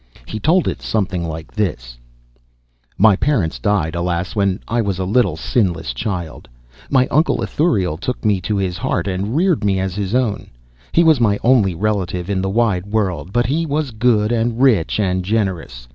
He told it something like this: My parents died, alas, when I was a little, sinless child. My uncle Ithuriel took me to his heart and reared me as his own. He was my only relative in the wide world; but he was good and rich and generous.